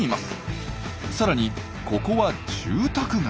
さらにここは住宅街。